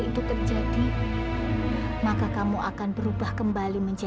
tidak memberitahu sebelumnya